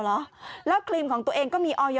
กินให้ดูเลยค่ะว่ามันปลอดภัย